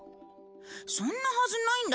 そんなはずないんだけどな。